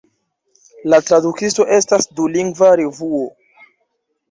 La Tradukisto estas dulingva revuo.